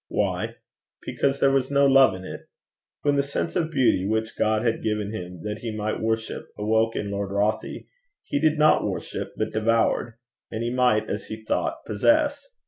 Why? Because there was no love in it. When the sense of beauty which God had given him that he might worship, awoke in Lord Rothie, he did not worship, but devoured, that he might, as he thought, possess!